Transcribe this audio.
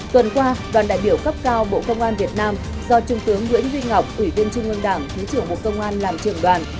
tuần qua đoàn đại biểu cấp cao bộ công an việt nam do trung tướng nguyễn duy ngọc ủy viên trung ương đảng thứ trưởng bộ công an làm trưởng đoàn